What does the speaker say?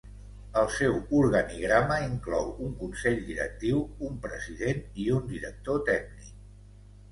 El seu organigrama inclou un Consell Directiu, un President i un Director Tècnic.